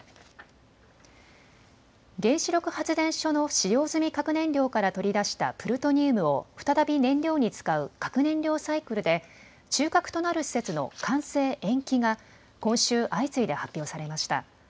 原子力発電所の使用済み核燃料から取り出したプルトニウムを再び燃料に使う核燃料サイクルで中核となる施設の完成延期が今週、相次いで発表されました。